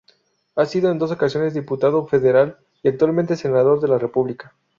Ha sido en dos ocasiones Diputado Federal y actualmente Senador de la República.